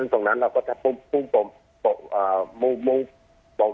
ตรงนั้นเราก็จะพรุ่งส์ปลงส์มุ่ง